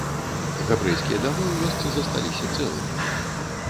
Габрэйскія дамы ў вёсцы засталіся цэлымі.